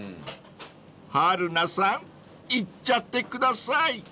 ［春菜さんいっちゃってください］